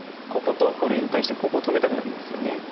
ここと連帯してここを止めたくなりますよね。